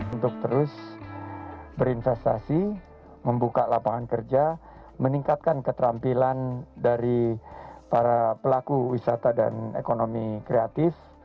untuk terus berinvestasi membuka lapangan kerja meningkatkan keterampilan dari para pelaku wisata dan ekonomi kreatif